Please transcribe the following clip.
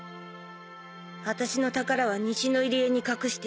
あたしの宝は西の入り江に隠してある